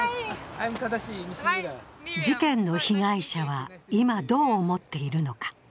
事件の被害者は今どう思っているのか。